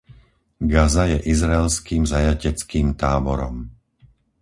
Gaza je izraelským zajateckým táborom!